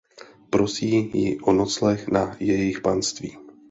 Prosí ji o nocleh na jejich panství.